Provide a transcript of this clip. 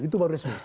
itu baru resmi